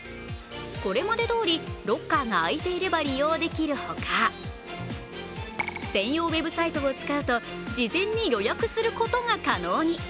これまでどおりロッカーが空いていれば利用できるほか、専用ウェブサイトを使うと事前に予約することが可能に。